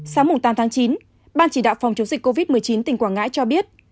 sáng tám tháng chín ban chỉ đạo phòng chống dịch covid một mươi chín tỉnh quảng ngãi cho biết